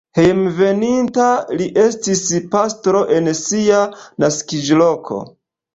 Hejmenveninta li estis pastro en sia naskiĝloko.